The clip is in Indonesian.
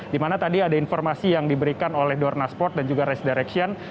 di mana tadi ada informasi yang diberikan oleh dorna sport dan juga race direction